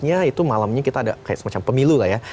ya itu malamnya kita ada kayak semacam pemilu lah ya